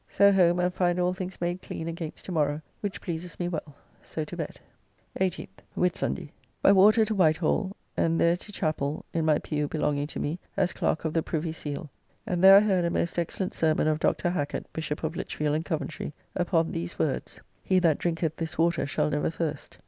So home and find all things made clean against to morrow, which pleases me well. So to bed. 18th (Whitsunday). By water to White Hall, and thereto chappell in my pew belonging to me as Clerk of the Privy Seal; and there I heard a most excellent sermon of Dr. Hacket, Bishop of Lichfield and Coventry, upon these words: "He that drinketh this water shall never thirst."